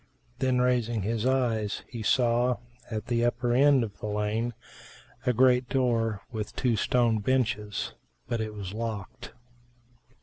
Then raising his eyes, he saw, at the upper end of the lane a great doer with two stone benches; but it was locked.